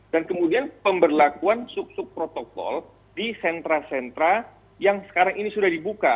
dan kemudian pemberlakuan suk suk protokol di sentra sentra yang sekarang ini sudah dibuka